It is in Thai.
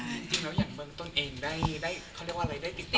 แล้วอย่างเบิร์งต้นเองได้ได้